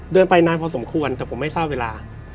เดินไปนานพอสมควรแต่ผมไม่ทราบเวลา